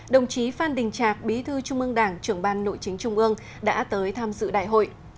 đồng chí phan đình trạc bí thư trung ương đảng trưởng ban nội chính trung ương đã tới tham dự đại hội